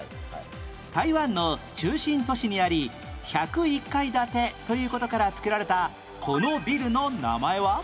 台湾の中心都市にあり１０１階建てという事から付けられたこのビルの名前は？